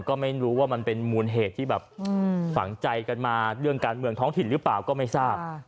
ก็ไม่รู้ว่ามันเป็นมูลเหตุที่แบบฝังใจกันมาเรื่องการเมืองท้องถิ่นหรือเปล่าก็ไม่ทราบ